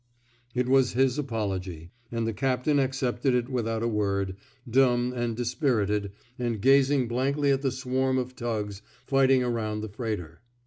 It was his apology; and the captain accepted it without a word, dumb and dis pirited, and gazing blankly at the swarm of tugs fighting around the freighter.